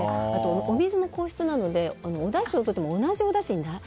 お水も硬質なのでおだしをとっても同じおだしにならない。